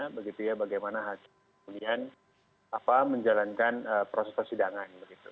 begitu ya bagaimana hakim kemudian menjalankan proses persidangan